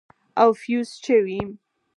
او فيوز چوي.